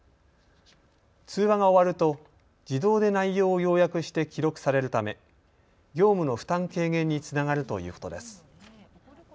通話が終わると自動で内容を要約して記録されるため業務の負担軽減につながるということです。